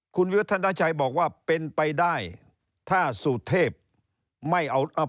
คุณวิวัฒนาชัยบอกว่าเป็นไปได้ถ้าสุเทพไม่เอา